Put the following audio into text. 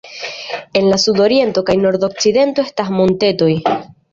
En la sudoriento kaj nordokcidento estas montetoj.